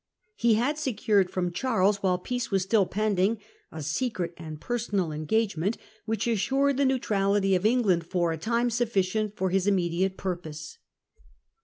He had secured from Charles, while peace was still pending, a secret and personal engagement which assured the neutrality of England for a time sufficient for his imme diate purpose.